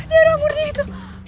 darah murni itu